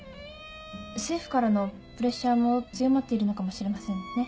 政府からのプレッシャーも強まっているのかもしれませんね。